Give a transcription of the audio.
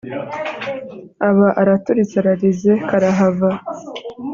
aba araturitse ararize karahava